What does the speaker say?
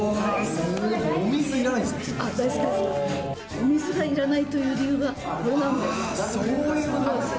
お水がいらないという理由がこれなんです。